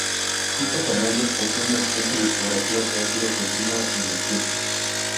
Tito Fernández posee una extensa discografía, que ha sido continua en el tiempo.